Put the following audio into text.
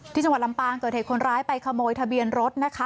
จังหวัดลำปางเกิดเหตุคนร้ายไปขโมยทะเบียนรถนะคะ